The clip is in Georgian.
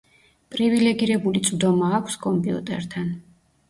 პრივილეგირებული წვდომა აქვს კომპიუტერთან.